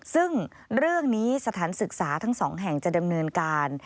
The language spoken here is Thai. ซึ่งเรื่องนี้สถานศึกษาทั้งสองแห่งจะดำเนินการ